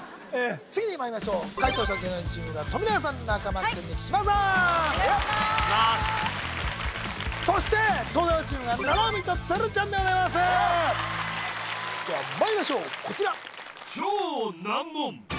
次にまいりましょう解答者は芸能人チームが富永さん中間君に貴島さんお願いしまーすそして東大王チームが七海と鶴ちゃんでございますではまいりましょうこちら